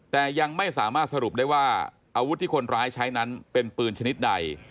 แต่ยังไม่สามารถสรุปได้ว่าอาวุธที่คนร้ายใช้นั้นเป็นปืนชนิดใด